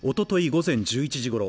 午前１１時ごろ